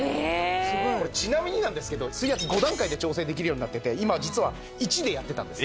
これちなみになんですけど水圧５段階で調整できるようになってて今実は１でやってたんです。